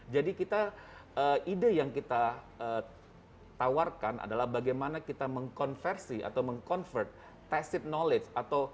jadi ide yang kita tawarkan adalah bagaimana kita mengkonversi atau meng convert passive knowledge